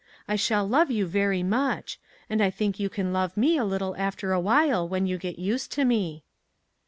I shall love you very much ; and I think you can love me a little after awhile, when you get used to me."